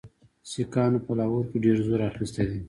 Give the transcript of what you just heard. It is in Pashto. سیکهانو په لاهور کې ډېر زور اخیستی دی.